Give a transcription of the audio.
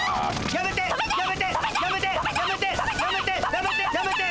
やめて！